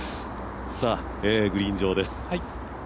グリーン上です。